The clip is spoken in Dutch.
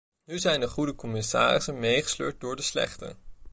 Nu zijn de goede commissarissen meegesleurd door de slechte.